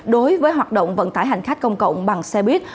đối với hoạt động vận tải hành khách công cộng bằng xe buýt